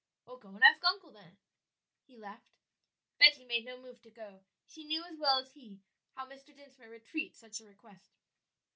"Well, go and ask uncle," he laughed. Betty made no move to go; she knew as well as he how Mr. Dinsmore would treat such a request.